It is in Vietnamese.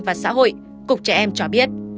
và xã hội cục trẻ em cho biết